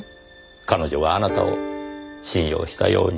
彼女があなたを信用したように。